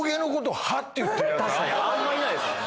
確かにあんまいないですよね